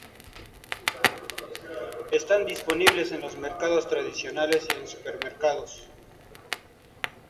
Están disponibles en los mercados tradicionales y en supermercados.